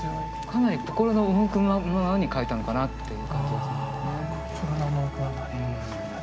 かなり心の赴くままに描いたのかなっていう感じがしますね。